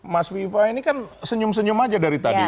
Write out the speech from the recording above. mas viva ini kan senyum senyum aja dari tadi